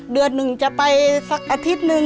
เดือนหนึ่งจะไปสักอาทิตย์หนึ่ง